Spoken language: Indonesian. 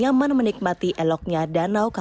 kau biasanya loungi tanah too cuentan dan semangat